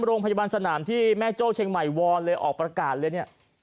โรงพยาบาลสนามที่แม่โจ๊กเชียงใหม่วอลออกประกาศเลย